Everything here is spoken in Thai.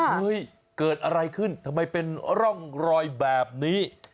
เฮ้ยเกิดอะไรขึ้นทำไมเป็นร่องรอยแบบนี้